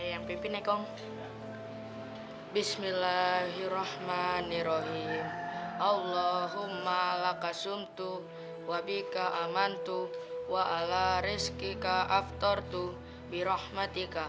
alhamdulillah buang puasa juga